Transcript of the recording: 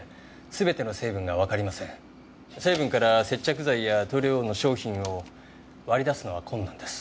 成分から接着剤や塗料の商品を割り出すのは困難です。